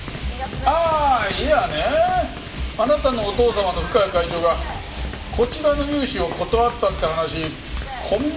ああいやねあなたのお父様の深谷会長がこちらの融資を断ったって話小耳に挟みましてね。